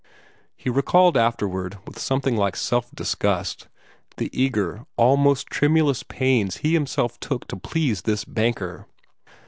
He recalled afterward with something like self disgust the eager, almost tremulous pains he himself took to please this banker.